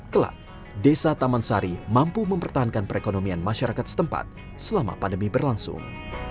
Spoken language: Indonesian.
kelak desa taman sari mampu mempertahankan perekonomian masyarakat setempat selama pandemi berlangsung